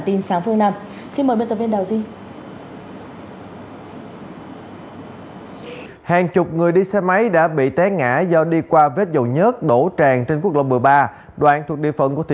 theo người dân dầu nhất đổ tràn trên đường một đoạn dài khoảng ba trăm linh m